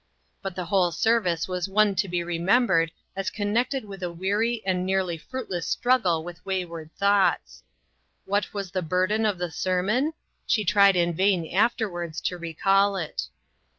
But the whole service was one to be re membered as connected with a weary and nearly fruitless struggle with wayward thoughts. What was the burden of the sermon ? She tried in vain afterwards to recall it.